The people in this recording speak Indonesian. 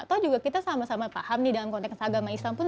atau juga kita sama sama paham nih dalam konteks agama islam pun